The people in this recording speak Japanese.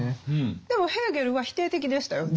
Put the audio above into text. でもヘーゲルは否定的でしたよね。